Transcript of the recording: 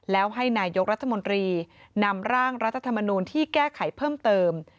แล้วให้นายกรัฐมนตรีนำร่างรัฐธรรมนูลที่แก้ไขเพิ่มเติม